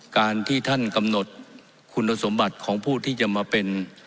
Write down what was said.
การที่ท่านกำหนดคุณสมบัติของผู้ที่จะมาเป็น